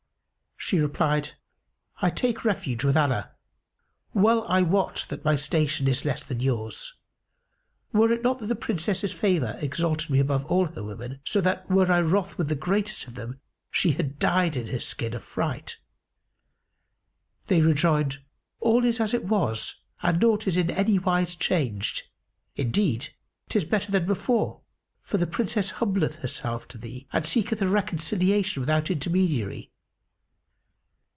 She replied, "I take refuge with Allah: well I wot that my station is less than yours; were it not that the Princess's favour exalted me above all her women, so that, were I wroth with the greatest of them, she had died in her skin of fright." They rejoined, "All is as it was and naught is in anywise changed. Indeed, 'tis better than before, for the Princess humbleth herself to thee and seeketh a reconciliation without intermediary."